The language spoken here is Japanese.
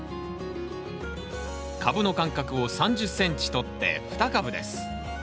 株の間隔を３０ｃｍとって２株です。